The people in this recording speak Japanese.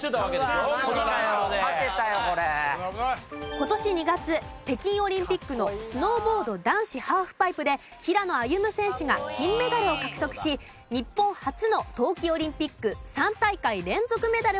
今年２月北京オリンピックのスノーボード男子ハーフパイプで平野歩夢選手が金メダルを獲得し日本初の冬季オリンピック３大会連続メダルを達成しました。